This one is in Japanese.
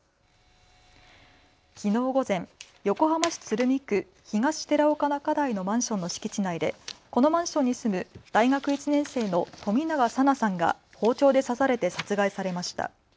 きのう午前、横浜市鶴見区東寺尾中台のマンションの敷地内でこのマンションに住む大学１年生の冨永紗菜さんが包丁で刺されて殺害されました。